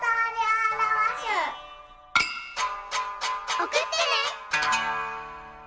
おくってね！